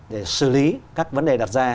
để xử lý các vấn đề đặt ra